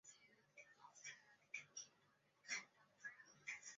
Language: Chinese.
匹兹堡铁人队的发起球队之一。